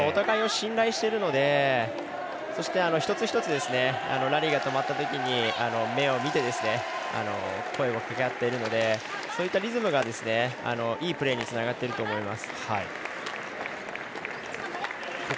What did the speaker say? お互いを信頼しているので一つ一つラリーが止まったときに目を見て声をかけ合っているのでそういったリズムがいいプレーにつながっていると思います。